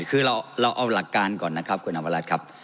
คือเราเอาหลักการก่อนนะครับคุณอภรัฐครับ